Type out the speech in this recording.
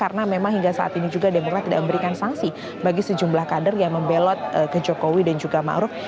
karena memang hingga saat ini juga demokrat tidak memberikan sanksi bagi sejumlah kader yang membelot ke jokowi dan juga ma'ruf